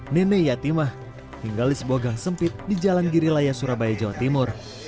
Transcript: nenek yatimah tinggal di sebuah gang sempit di jalan girilaya surabaya jawa timur